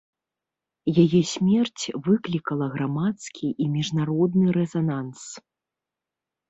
Яе смерць выклікала грамадскі і міжнародны рэзананс.